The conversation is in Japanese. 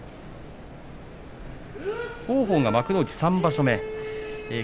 王鵬が幕内３場所目。